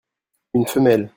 Une femelle.